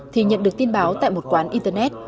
thì nhận được tin báo tại một quán internet